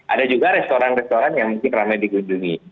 ada juga restoran restoran yang mungkin ramai dikunjungi